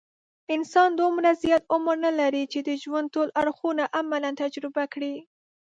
انسان دومره زیات عمر نه لري، چې د ژوند ټول اړخونه عملاً تجربه کړي.